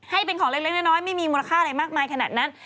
ให้เป็นของเล็กน้อยไม่มีมูลค่าอะไรมากมายขนาดนั้น